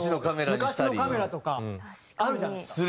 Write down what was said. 昔のカメラとかあるじゃないですか。